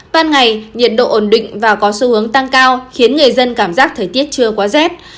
ban ngày nhiệt độ ổn định và có xu hướng tăng cao khiến người dân cảm giác thời tiết chưa quá rét